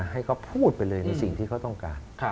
ให้เขาพูดไปเลยในสิ่งที่เขาต้องการ